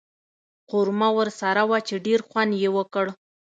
قورمه ورسره وه چې ډېر خوند یې وکړ.